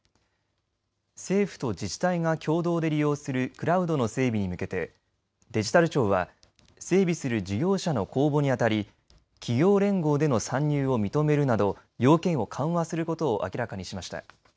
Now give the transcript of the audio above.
政府と自治体が共同で利用するクラウドの整備に向けてデジタル庁は整備する事業者の公募にあたり企業連合での参入を認めるなど要件を緩和することを明らかにしました。